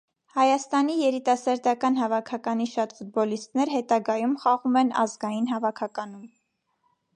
Հայաստանի երիտասարդական հավաքականի շատ ֆուտբոլիստներ հետագայում խաղում են ազգային հավաքականում։